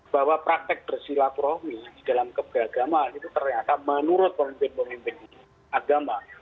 bahwa praktek bersilap rohmi dalam kebegagaman itu ternyata menurut pemimpin pemimpin agama